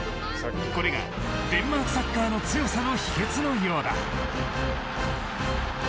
これがデンマークサッカーの強さの秘訣のようだ。